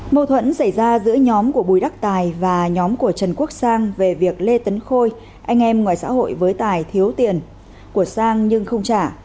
mâu thuẫn xảy ra giữa nhóm của bùi đắc tài và nhóm của trần quốc sang về việc lê tấn khôi anh em ngoài xã hội với tài thiếu tiền của sang nhưng không trả